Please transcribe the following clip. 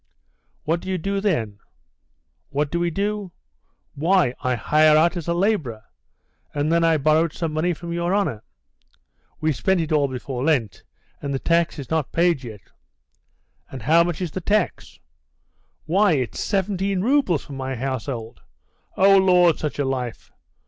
"What do you do then?" "What do we do? Why, I hire out as a labourer; and then I borrowed some money from your honour. We spent it all before Lent, and the tax is not paid yet." "And how much is the tax?" "Why, it's 17 roubles for my household. Oh, Lord, such a life!